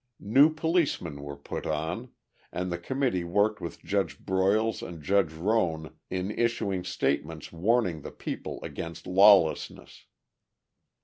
New policemen were put on, and the committee worked with Judge Broyles and Judge Roan in issuing statements warning the people against lawlessness.